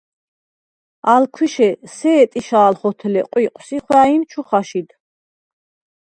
ალ ქვიშე სე̄ტიშა̄ლ ხოთლე ყვიყვს ი ხვა̄̈ჲნ ჩუ ხაშიდ.